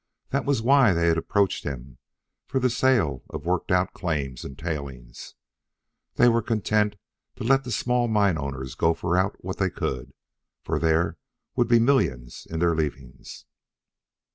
That was why they had approached him for the sale of worked out claims and tailings. They were content to let the small mine owners gopher out what they could, for there would be millions in the leavings.